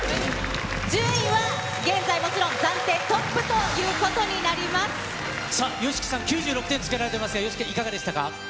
順位は現在もちろん、暫定トップさあ、ＹＯＳＨＩＫＩさん、９６点つけられてますが、いかがでしたか。